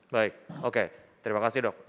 baik oke terima kasih dok